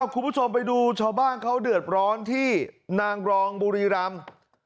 ทุกคนไปดูช้าบ้านเขาเดือดร้อนที่นางรองบุรีรำ